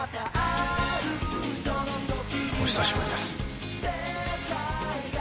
お久しぶりです。